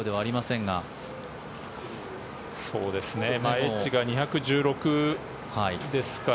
エッジが２１６ですから。